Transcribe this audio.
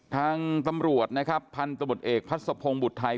ทางตำรวจนะครับพันธบทเอกพัดสะพงศ์บุตรไทย